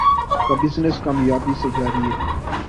کا بزنس کامیابی سے جاری ہے